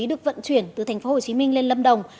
được vận chuyển từ tp hcm lên lâm đồng